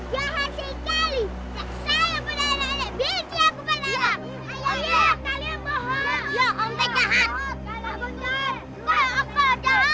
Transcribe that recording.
wah alamak emeng ini jahat sekali saya pada anak anak benci aku pada anak